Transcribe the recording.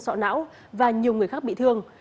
sọ não và nhiều người khác bị thương